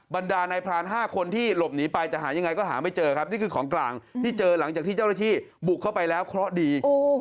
ไม่มีการปะทะถ้าหากปะทะเจ้าหน้าที่ดูปืนเขาดิ